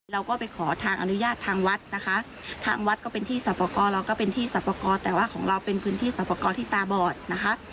เราก็ไปขอทางอนุญาตทางวัดนะคะทางวัดก็เป็นที่สรรพากรเราก็เป็นที่สรรพากรแต่ว่าของเราเป็นพื้นที่สรรพากรที่ตาบอดนะคะ